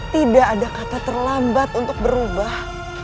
tidak ada kata terlambat untuk berubah